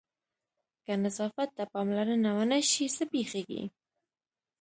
که نظافت ته پاملرنه ونه شي څه پېښېږي؟